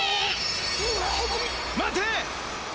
待て！